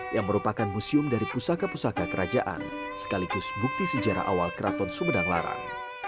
yang merupakan museum dari pusaka pusaka kerajaan sekaligus bukti sejarah awal keraton sumedang larang